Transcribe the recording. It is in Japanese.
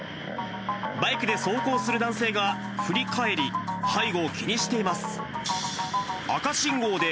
バイクで走行する男性が振り返り、背後を気にしています。